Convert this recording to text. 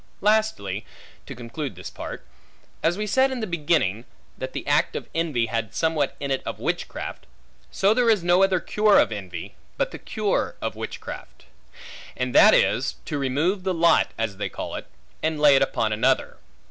Lastly, to conclude this part; as we said in the beginning, that the act of envy had somewhat in it of witchcraft, so there is no other cure of envy, but the cure of witchcraft; and that is, to remove the lot (as they call it) and to lay it upon another.